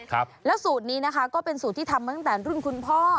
ครับแล้วสูตรนี้นะคะก็เป็นสูตรที่ทำมาตั้งแต่รุ่นคุณพ่อ